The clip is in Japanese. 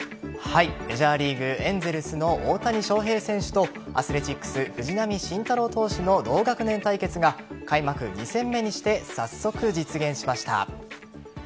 メジャーリーグ・エンゼルスの大谷翔平選手とアスレチックス藤浪晋太郎投手の同学年対決が開幕２戦目にして早速、実現しました。